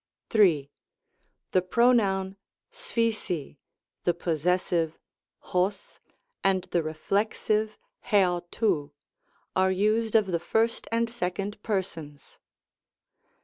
3. The pronoun acplocy the possessive oq, and the reflexive iavrov^ are used of the first and second per sons.